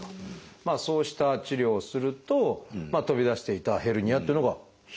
そうした治療をすると飛び出していたヘルニアっていうのが引っ込むんですか？